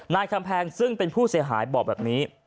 คำแพงซึ่งเป็นผู้เสียหายบอกแบบนี้